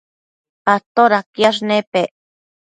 todaquiash nepec?